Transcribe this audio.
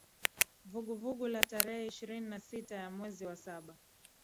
Vuguvugu la Tarehe ishirini na sita ya mwezi wa saba